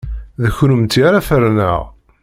D kennemti ara ferneɣ!